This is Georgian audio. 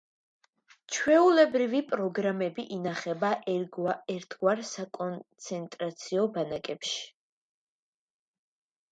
ჩვეულებრივი პროგრამები ინახება ერთგვარ საკონცენტრაციო ბანაკებში.